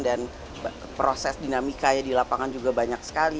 dan proses dinamikanya di lapangan juga banyak sekali